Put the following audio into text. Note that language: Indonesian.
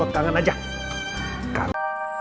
tangan aja kamu